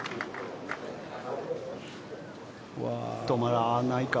止まらないか。